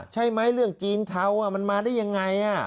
ใช่ไหมเรื่องจีนเทามันมาได้ยังไง